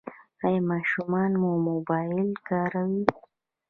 ایا ماشومان مو موبایل کاروي؟